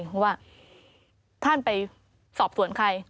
เพราะว่าท่านไปสอบสวนใคร